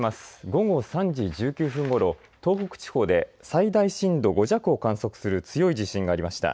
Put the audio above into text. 午後３時１９分ごろ、東北地方で最大震度５弱を観測する強い地震がありました。